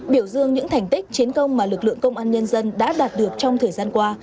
biểu dương những thành tích chiến công mà lực lượng công an nhân dân đã đạt được trong thời gian qua